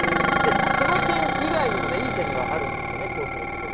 その点以外にも、いい点があるんですよね、こうすることで。